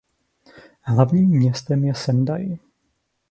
Hlavním městem je Sendai.